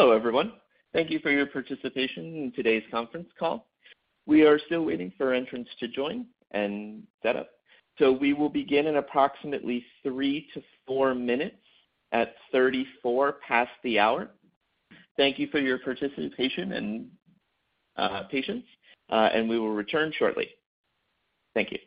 Hello, everyone. Thank you for your participation in today's conference call. We are still waiting for entrants to join and set up. We will begin in approximately three to four minutes at 34 past the hour. Thank you for your participation and patience. We will return shortly. Thank you.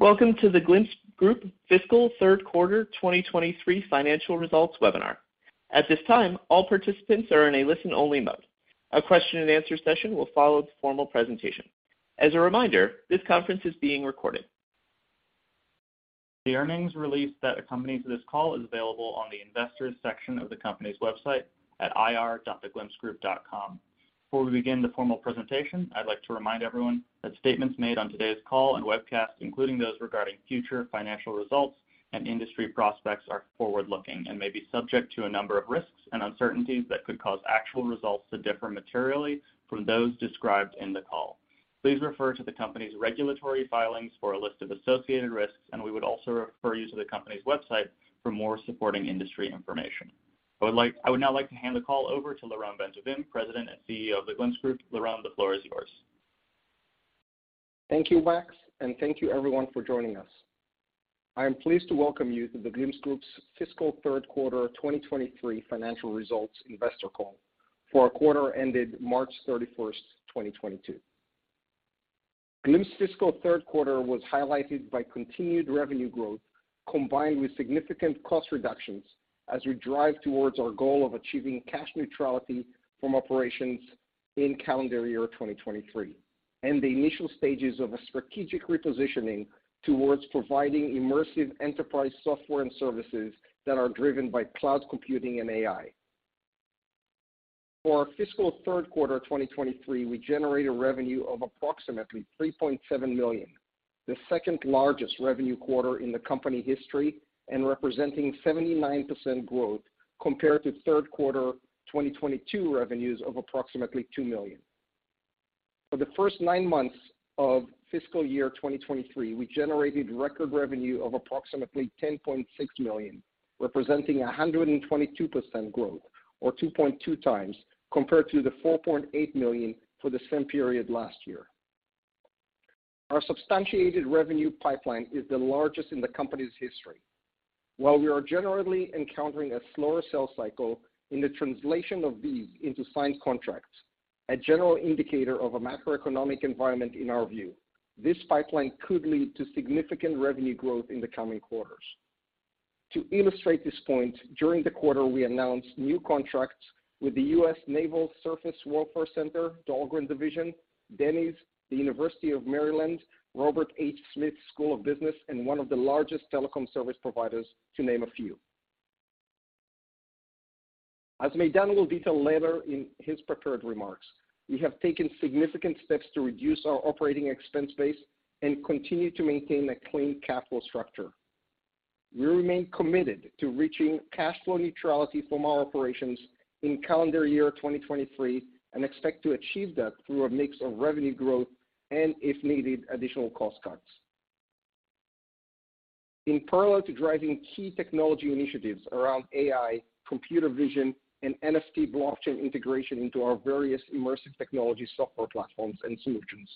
Welcome to The Glimpse Group fiscal third quarter 2023 financial results webinar. At this time, all participants are in a listen-only mode. A question and answer session will follow the formal presentation. As a reminder, this conference is being recorded. The earnings release that accompanies this call is available on the investors section of the company's website at ir.theglimpsegroup.com. Before we begin the formal presentation, I'd like to remind everyone that statements made on today's call and webcast, including those regarding future financial results and industry prospects, are forward-looking and may be subject to a number of risks and uncertainties that could cause actual results to differ materially from those described in the call. Please refer to the company's regulatory filings for a list of associated risks. We would also refer you to the company's website for more supporting industry information. I would now like to hand the call over to Lyron Bentovim, President and CEO of The Glimpse Group. Lyron, the floor is yours. Thank you, Max. Thank you everyone for joining us. I am pleased to welcome you to The Glimpse Group's fiscal third quarter 2023 financial results investor call for our quarter ended March 31, 2022. Glimpse fiscal third quarter was highlighted by continued revenue growth combined with significant cost reductions as we drive towards our goal of achieving cash neutrality from operations in calendar year 2023, and the initial stages of a strategic repositioning towards providing immersive enterprise software and services that are driven by cloud computing and AI. For our fiscal third quarter 2023, we generated revenue of approximately $3.7 million, the second largest revenue quarter in the company history and representing 79% growth compared to third quarter 2022 revenues of approximately $2 million. For the first nine months of fiscal year 2023, we generated record revenue of approximately $10.6 million, representing 122% growth or 2.2 times compared to the $4.8 million for the same period last year. Our substantiated revenue pipeline is the largest in the company's history. We are generally encountering a slower sales cycle in the translation of these into signed contracts, a general indicator of a macroeconomic environment in our view, this pipeline could lead to significant revenue growth in the coming quarters. To illustrate this point, during the quarter, we announced new contracts with the U.S. Naval Surface Warfare Center, Dahlgren Division, Denny's, the University of Maryland, Robert H. Smith School of Business, and one of the largest telecom service providers, to name a few. As Maydan will detail later in his prepared remarks, we have taken significant steps to reduce our operating expense base and continue to maintain a clean capital structure. We remain committed to reaching cash flow neutrality from our operations in calendar year 2023, expect to achieve that through a mix of revenue growth and, if needed, additional cost cuts. In parallel to driving key technology initiatives around AI, computer vision, and NFT blockchain integration into our various immersive technology software platforms and solutions,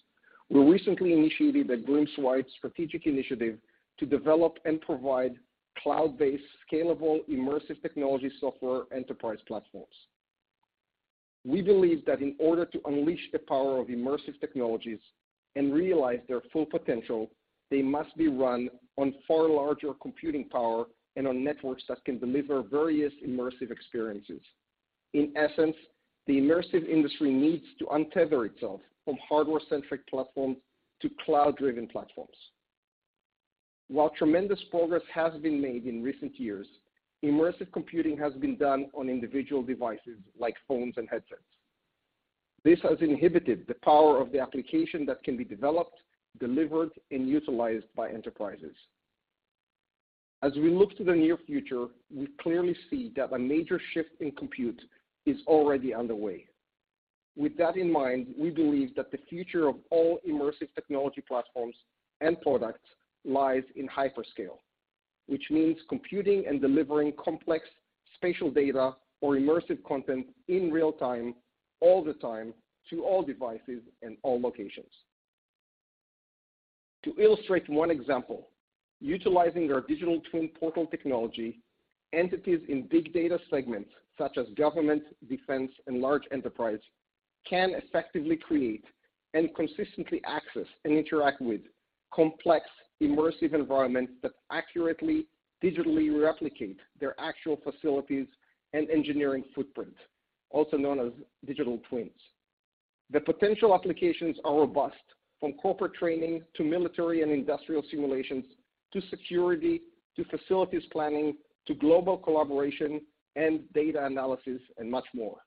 we recently initiated a Glimpse-wide strategic initiative to develop and provide cloud-based, scalable, immersive technology software enterprise platforms. We believe that in order to unleash the power of immersive technologies and realize their full potential, they must be run on far larger computing power and on networks that can deliver various immersive experiences. In essence, the immersive industry needs to untether itself from hardware-centric platforms to cloud-driven platforms. While tremendous progress has been made in recent years, immersive computing has been done on individual devices like phones and headsets. This has inhibited the power of the application that can be developed, delivered, and utilized by enterprises. As we look to the near future, we clearly see that a major shift in compute is already underway. With that in mind, we believe that the future of all immersive technology platforms and products lies in hyperscale, which means computing and delivering complex spatial data or immersive content in real-time, all the time, to all devices and all locations. To illustrate one example, utilizing our digital twin portal technology, entities in big data segments such as government, defense, and large enterprise can effectively create and consistently access and interact with complex immersive environments that accurately digitally replicate their actual facilities and engineering footprint, also known as digital twins. The potential applications are robust, from corporate training to military and industrial simulations, to security, to facilities planning, to global collaboration and data analysis, and much more.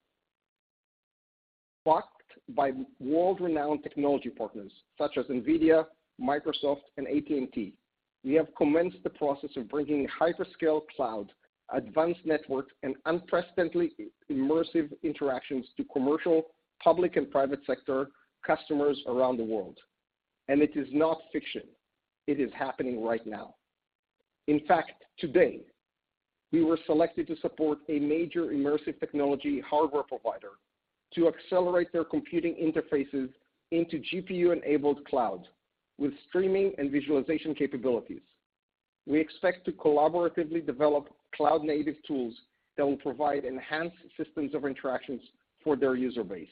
Backed by world-renowned technology partners such as NVIDIA, Microsoft, and AT&T, we have commenced the process of bringing hyperscale cloud, advanced network, and unprecedentedly immersive interactions to commercial, public, and private sector customers around the world. It is not fiction. It is happening right now. In fact, today, we were selected to support a major immersive technology hardware provider to accelerate their computing interfaces into GPU-enabled cloud with streaming and visualization capabilities. We expect to collaboratively develop cloud-native tools that will provide enhanced systems of interactions for their user base.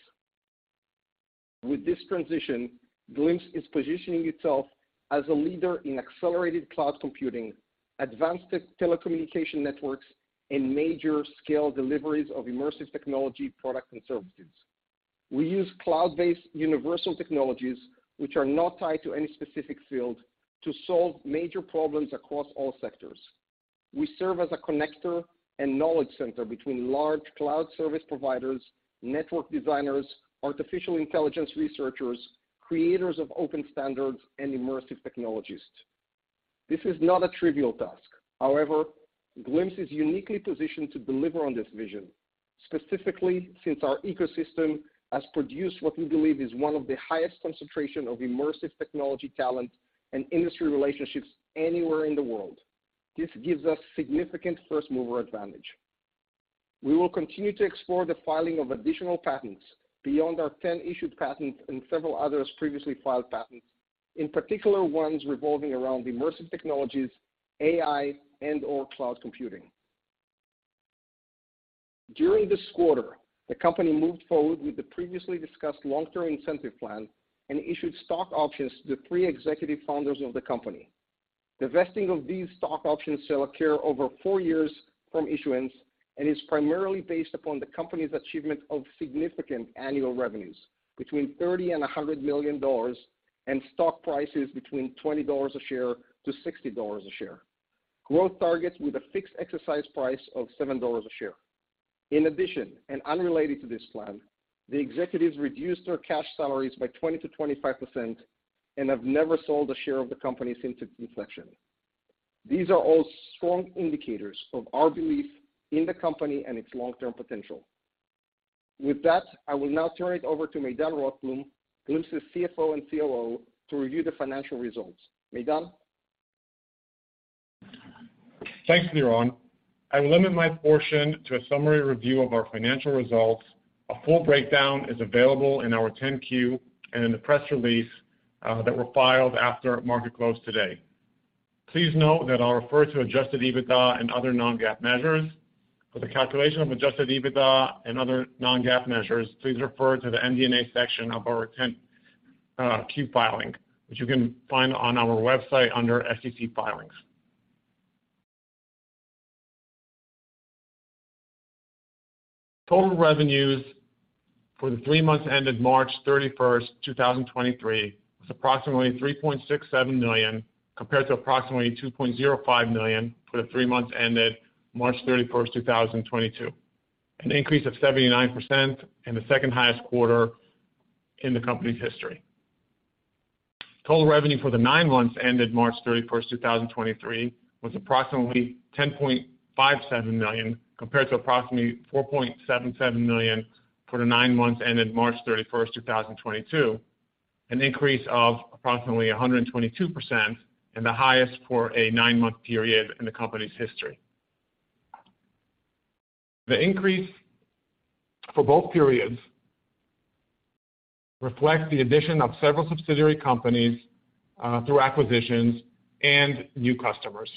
With this transition, Glimpse is positioning itself as a leader in accelerated cloud computing, advanced telecommunication networks, and major scale deliveries of immersive technology products and services. We use cloud-based universal technologies, which are not tied to any specific field, to solve major problems across all sectors. We serve as a connector and knowledge center between large cloud service providers, network designers, artificial intelligence researchers, creators of open standards, and immersive technologists. This is not a trivial task. However, Glimpse is uniquely positioned to deliver on this vision, specifically since our ecosystem has produced what we believe is one of the highest concentration of immersive technology talent and industry relationships anywhere in the world. This gives us significant first mover advantage. We will continue to explore the filing of additional patents beyond our 10 issued patents and several others previously filed patents, in particular ones revolving around immersive technologies, AI, and/or cloud computing. During this quarter, the company moved forward with the previously discussed long-term incentive plan and issued stock options to the three executive founders of the company. The vesting of these stock options shall occur over four years from issuance and is primarily based upon the company's achievement of significant annual revenues between $30 million and $100 million and stock prices between $20 a share to $60 a share. Growth targets with a fixed exercise price of $7 a share. In addition, and unrelated to this plan, the executives reduced their cash salaries by 20%-25% and have never sold a share of the company since its inception. These are all strong indicators of our belief in the company and its long-term potential. With that, I will now turn it over to Maydan Rothblum, Glimpse's CFO and COO, to review the financial results. Maydan? Thanks, Lyron. I limit my portion to a summary review of our financial results. A full breakdown is available in our 10-Q and in the press release that were filed after market close today. Please note that I'll refer to adjusted EBITDA and other non-GAAP measures. For the calculation of adjusted EBITDA and other non-GAAP measures, please refer to the MD&A section of our 10-Q filing, which you can find on our website under SEC Filings. Total revenues for the three months ended March 31, 2023, was approximately $3.67 million, compared to approximately $2.05 million for the three months ended March 31, 2022, an increase of 79% and the second highest quarter in the company's history. Total revenue for the nine months ended March 31, 2023, was approximately $10.57 million, compared to approximately $4.77 million for the nine months ended March 31, 2022, an increase of approximately 122% and the highest for a nine-month period in the company's history. The increase for both periods reflects the addition of several subsidiary companies through acquisitions and new customers.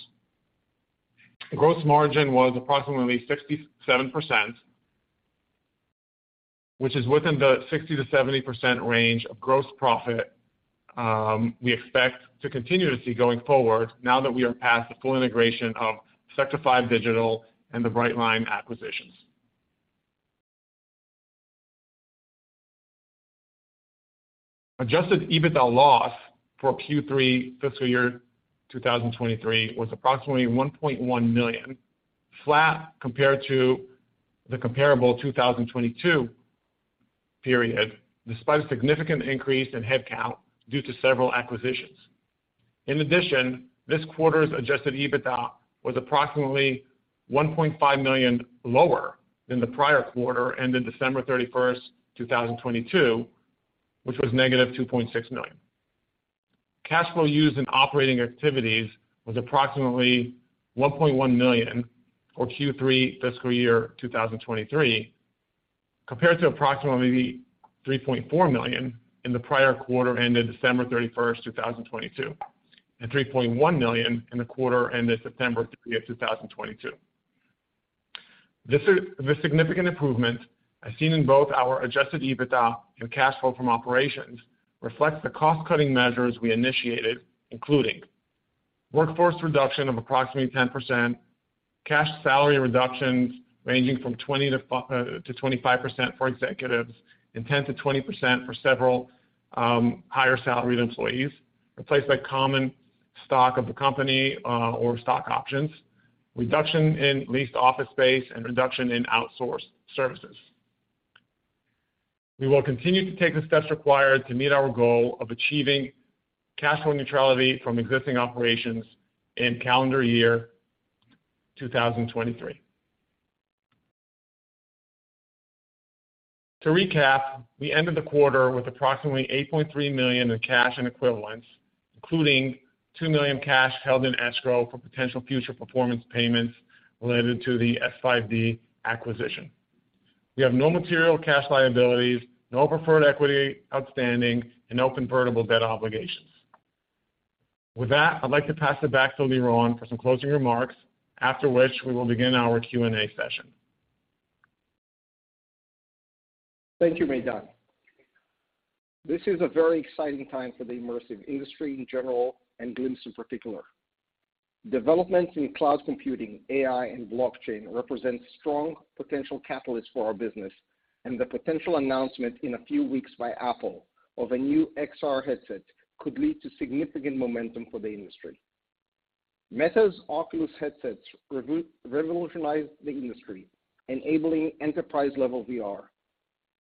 The gross margin was approximately 67%, which is within the 60%-70% range of gross profit, we expect to continue to see going forward now that we are past the full integration of Sector 5 Digital and the Brightline acquisitions. Adjusted EBITDA loss for Q3 fiscal year 2023 was approximately $1.1 million, flat compared to the comparable 2022 period, despite a significant increase in headcount due to several acquisitions. This quarter's adjusted EBITDA was approximately $1.5 million lower than the prior quarter ended December 31, 2022, which was -$2.6 million. Cash flow used in operating activities was approximately $1.1 million for Q3 fiscal year 2023, compared to approximately $3.4 million in the prior quarter ended December 31, 2022, and $3.1 million in the quarter ended September 30, 2022. This significant improvement as seen in both our adjusted EBITDA and cash flow from operations reflects the cost-cutting measures we initiated, including workforce reduction of approximately 10%, cash salary reductions ranging from 20%-25% for executives and 10%-20% for several higher salaried employees, replaced by common stock of the company or stock options, reduction in leased office space and reduction in outsourced services. We will continue to take the steps required to meet our goal of achieving cash flow neutrality from existing operations in calendar year 2023. To recap, we ended the quarter with approximately $8.3 million in cash and equivalents, including $2 million cash held in escrow for potential future performance payments related to the S5D acquisition. We have no material cash liabilities, no preferred equity outstanding, and no convertible debt obligations. With that, I'd like to pass it back to Lyron for some closing remarks, after which we will begin our Q&A session. Thank you, Maydan. This is a very exciting time for the immersive industry in general and Glimpse in particular. Developments in cloud computing, AI, and blockchain represents strong potential catalysts for our business, and the potential announcement in a few weeks by Apple of a new XR headset could lead to significant momentum for the industry. Meta's Oculus headsets revolutionized the industry, enabling enterprise-level VR.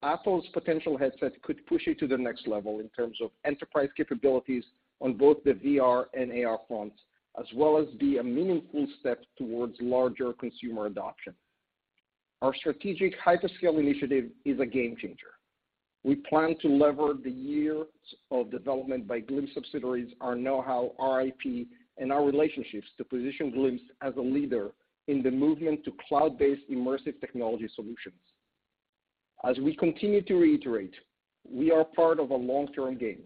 Apple's potential headset could push it to the next level in terms of enterprise capabilities on both the VR and AR fronts, as well as be a meaningful step towards larger consumer adoption. Our strategic hyperscale initiative is a game changer. We plan to lever the years of development by Glimpse subsidiaries, our know-how, our IP, and our relationships to position Glimpse as a leader in the movement to cloud-based immersive technology solutions. As we continue to reiterate, we are part of a long-term game.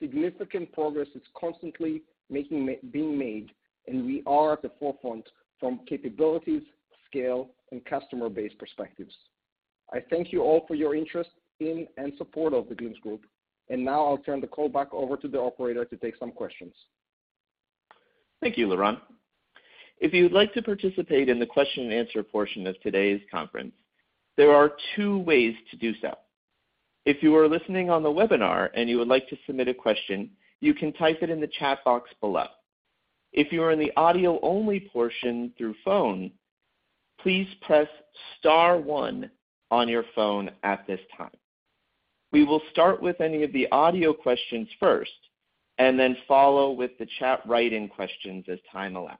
Significant progress is constantly being made, and we are at the forefront from capabilities, scale, and customer base perspectives. I thank you all for your interest in and support of The Glimpse Group. Now I'll turn the call back over to the operator to take some questions. Thank you, Lyron. If you'd like to participate in the question and answer portion of today's conference, there are two ways to do so. If you are listening on the webinar and you would like to submit a question, you can type it in the chat box below. If you are in the audio-only portion through phone, please press star one on your phone at this time. We will start with any of the audio questions first, and then follow with the chat write-in questions as time allows.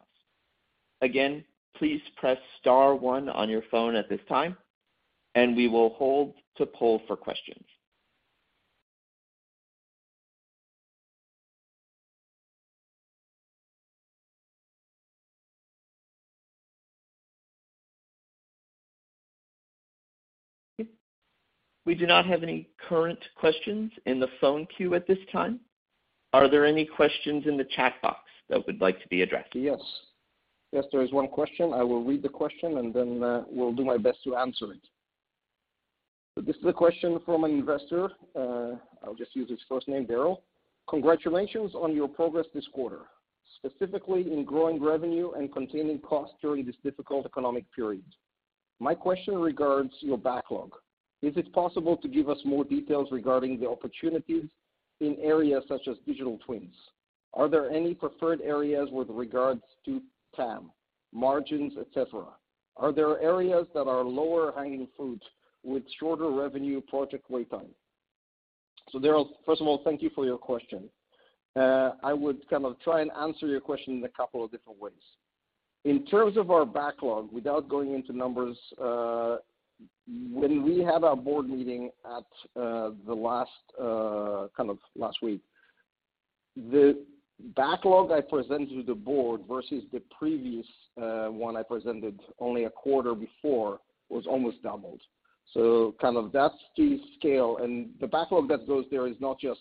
Again, please press star one on your phone at this time, and we will hold to poll for questions. We do not have any current questions in the phone queue at this time. Are there any questions in the chat box that would like to be addressed? Yes. Yes, there is one question. I will read the question and then will do my best to answer it. This is a question from an investor. I'll just use his first name, Daryl. Congratulations on your progress this quarter, specifically in growing revenue and containing costs during this difficult economic period. My question regards your backlog. Is it possible to give us more details regarding the opportunities in areas such as digital twins? Are there any preferred areas with regards to TAM, margins, et cetera? Are there areas that are lower hanging fruit with shorter revenue project lead time? Daryl, first of all, thank you for your question. I would kind of try and answer your question in a couple of different ways. In terms of our backlog, without going into numbers, when we had our board meeting at the last kind of last week, the backlog I presented to the board versus the previous one I presented only a quarter before was almost doubled. Kind of that's the scale. The backlog that goes there is not just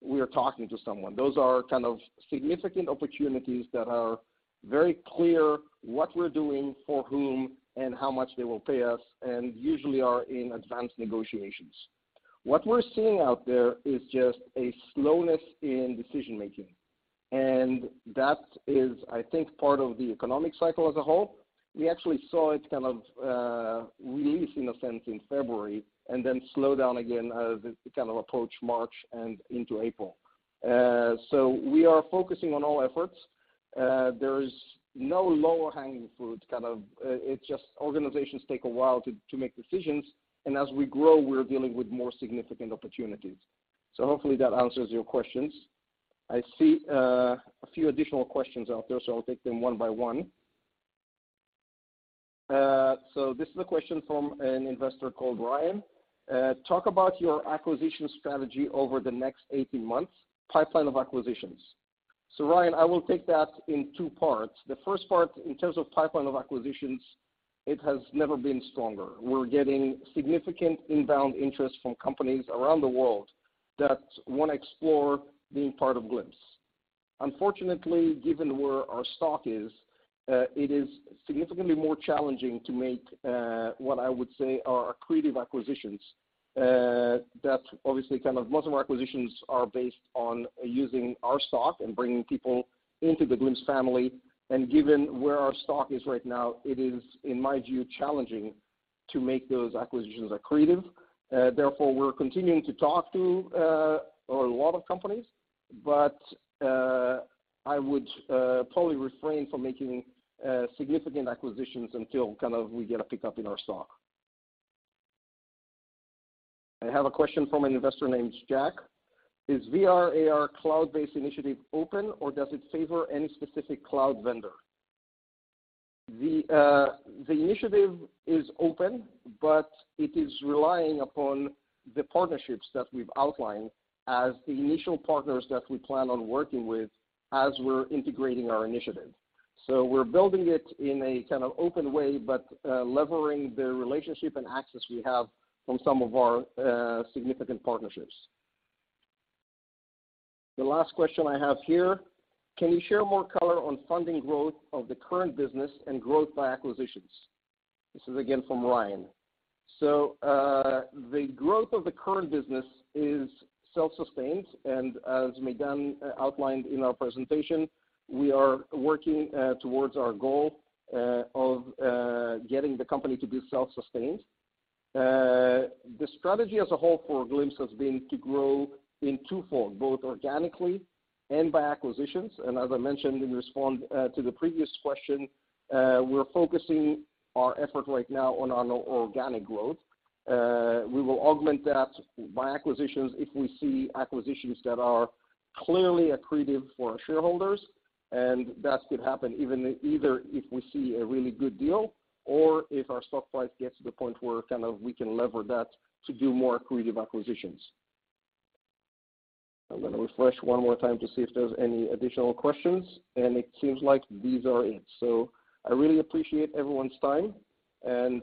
we are talking to someone. Those are kind of significant opportunities that are very clear what we're doing for whom and how much they will pay us, and usually are in advanced negotiations. What we're seeing out there is just a slowness in decision-making, and that is, I think, part of the economic cycle as a whole. We actually saw it kind of release in a sense in February and then slow down again as it kind of approached March and into April. We are focusing on all efforts. There is no lower hanging fruit kind of. It just organizations take a while to make decisions, and as we grow we're dealing with more significant opportunities. Hopefully that answers your questions. I see a few additional questions out there, I'll take them one by one. This is a question from an investor called Ryan. Talk about your acquisition strategy over the next 18 months, pipeline of acquisitions. Ryan, I will take that in two parts. The first part, in terms of pipeline of acquisitions, it has never been stronger. We're getting significant inbound interest from companies around the world that wanna explore being part of Glimpse. Unfortunately, given where our stock is, it is significantly more challenging to make what I would say are accretive acquisitions. That obviously kind of most of our acquisitions are based on using our stock and bringing people into the Glimpse family. Given where our stock is right now, it is, in my view, challenging to make those acquisitions accretive. Therefore, we're continuing to talk to a lot of companies. I would probably refrain from making significant acquisitions until kind of we get a pickup in our stock. I have a question from an investor named Jack. Is VR/AR cloud-based initiative open or does it favor any specific cloud vendor? The initiative is open, but it is relying upon the partnerships that we've outlined as the initial partners that we plan on working with as we're integrating our initiative. We're building it in a kind of open way, but levering the relationship and access we have from some of our significant partnerships. The last question I have here. Can you share more color on funding growth of the current business and growth by acquisitions? This is again from Ryan. The growth of the current business is self-sustained. As Maydan outlined in our presentation, we are working towards our goal of getting the company to be self-sustained. The strategy as a whole for Glimpse has been to grow in two-fold, both organically and by acquisitions. As I mentioned in response to the previous question, we're focusing our effort right now on our organic growth. We will augment that by acquisitions if we see acquisitions that are clearly accretive for our shareholders, and that could happen even either if we see a really good deal or if our stock price gets to the point where kind of we can lever that to do more accretive acquisitions. I'm gonna refresh one more time to see if there's any additional questions, it seems like these are it. I really appreciate everyone's time and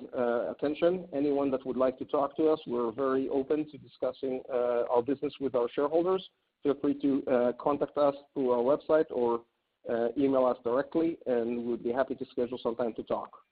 attention. Anyone that would like to talk to us, we're very open to discussing our business with our shareholders. Feel free to contact us through our website or email us directly, we'd be happy to schedule some time to talk.